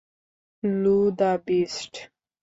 লু, the beast.